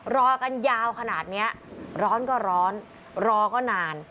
รอกันยาวขนาดนี้ร้อนก็ร้อนรอก็นาน